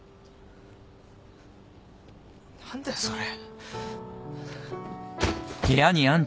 何だよそれ。